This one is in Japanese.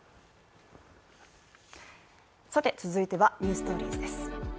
さて続いては、「ｎｅｗｓｔｏｒｉｅｓ」です